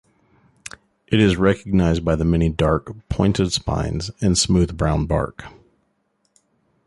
It is recognized by the many dark, pointed spines and smooth brown bark.